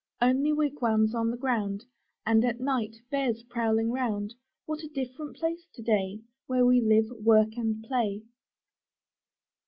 Only wigwams on the ground, And at night bears prowling round What a different place to day Where we live and work and play!